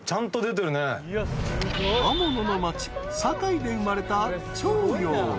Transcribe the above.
［刃物の町堺で生まれた］